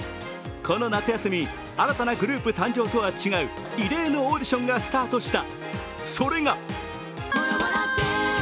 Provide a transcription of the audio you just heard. この夏休み、新たなグループ誕生とは違う異例のオーディションがスタートした。